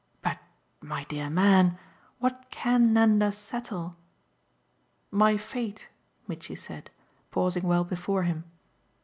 "But, my dear man, what can Nanda 'settle'?" "My fate," Mitchy said, pausing well before him.